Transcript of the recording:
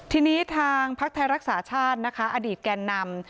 ทีนี้ทางภาครักษาคาะอดีตแก่นนำ